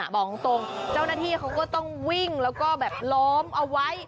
บอกตรงเจ้าหน้าที่เขาก็ต้องวิ่งแล้วก็แบบล้อมเอาไว้